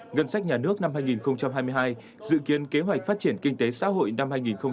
ngân sách nhà nước năm hai nghìn hai mươi hai dự kiến kế hoạch phát triển kinh tế xã hội năm hai nghìn hai mươi